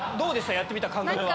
やってみた感覚は。